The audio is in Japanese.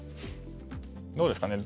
どうですかね